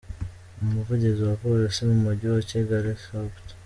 Umuvugizi wa Polisi mu mujyi wa Kigali, Supt.